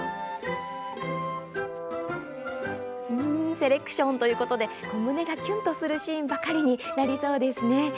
セレクションということで胸がキュンとするシーンばかりになりそうですね。